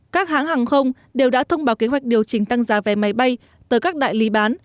các hãng hàng không đều đã thông báo kế hoạch điều chỉnh tăng giá vé máy bay tới các đại lý bán